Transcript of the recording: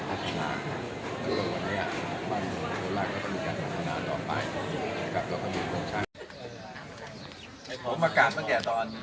สามารถต่อไปครับเราก็อยู่คุณช่างผมมาการมาตั้งแต่ตอน